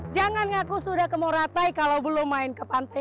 jangan ngaku sudah ke moratai kalau belum main ke pantai